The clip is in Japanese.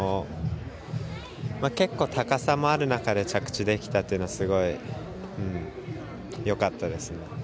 結構、高さもある中で着地ができたのはすごいよかったですね。